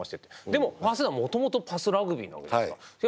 でも早稲田もともとパスラグビーなわけじゃないですか。